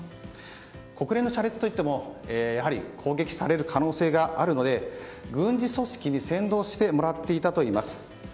国連の車列といっても、やはり攻撃される可能性があるので軍事組織に先導してもらっていたといいます。